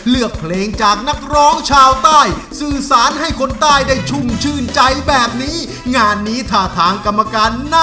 เราจะเชื่อมรับคุณบุคคล